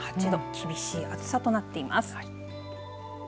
厳しい暑さとなっています。